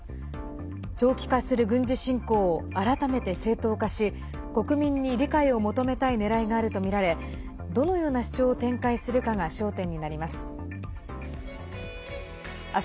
長期化する軍事侵攻を改めて正当化し国民に理解を求めたいねらいがあるとみられどのような主張を展開するかが焦点になります。